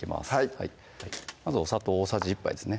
はいまずお砂糖大さじ１杯ですね